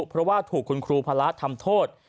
เพราะว่าถูกคุณครูพระทำโทษ